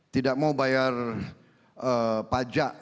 tidak mau bayar pajak